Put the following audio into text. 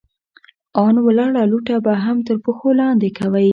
ان ولاړه لوټه به هم تر پښو لاندې کوئ!